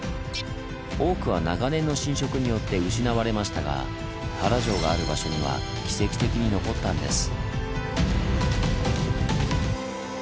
多くは長年の浸食によって失われましたが原城がある場所には奇跡的に残ったんです。